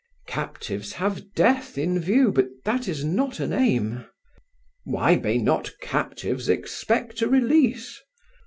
"Captives have death in view, but that is not an aim." "Why may not captives expect a release?"